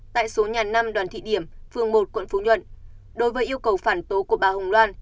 tại số nhà năm đoàn thị điểm phường một quận phú nhuận đối với yêu cầu phản tố của bà hồng loan